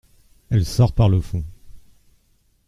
Elle sort par le fond.